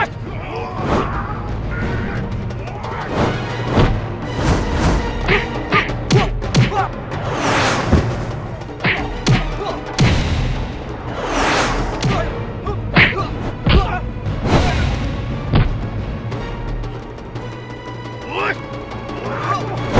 sampai ketemu lagi